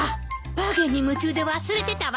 バーゲンに夢中で忘れてたわ。